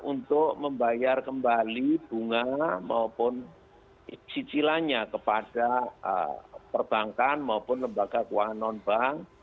untuk membayar kembali bunga maupun cicilannya kepada perbankan maupun lembaga keuangan non bank